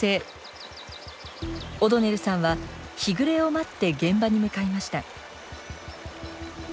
オドネルさんは日暮れを待って現場に向かいました。